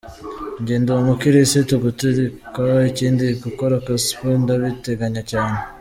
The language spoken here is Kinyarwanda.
Njye ndi umukirisitu gaturika, ikindi gukora Gospel ndabiteganya cyane.